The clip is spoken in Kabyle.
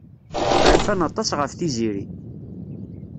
Rfan aṭas ɣef Tiziri.